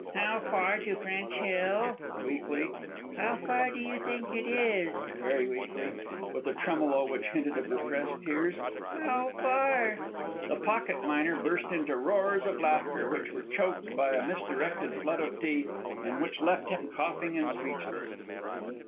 "How far to French Hill?" weakly. "How far do you think it is?" very weakly, with a tremolo which hinted of repressed tears. "How far " The pocket miner burst into roars of laughter, which were choked by a misdirected flood of tea, and which left him coughing and speechless.